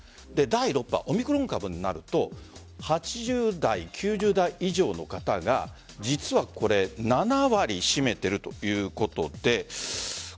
第６波、オミクロン株になると８０代、９０代以上の方が実は７割を占めているということで。